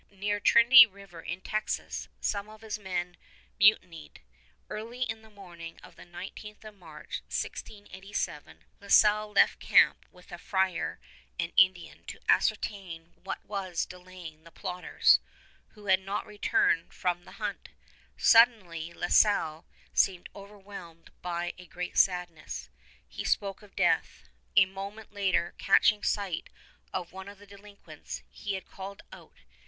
Near Trinity River in Texas some of his men mutinied. Early in the morning of the 19th of March, 1687, La Salle left camp with a friar and Indian to ascertain what was delaying the plotters, who had not returned from the hunt. Suddenly La Salle seemed overwhelmed by a great sadness. He spoke of death. A moment later, catching sight of one of the delinquents, he had called out.